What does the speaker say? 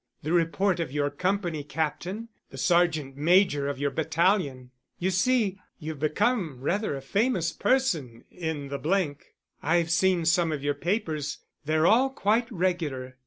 The report of your company Captain—the Sergeant Major of your battalion. You see, you've become rather a famous person in the —th. I've seen some of your papers, they're all quite regular.